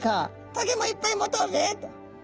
「トゲもいっぱい持とうぜ」って。